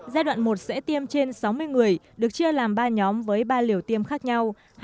giai đoạn một sẽ tiêm trên sáu mươi người được chia làm ba nhóm với ba liều tiêm khác nhau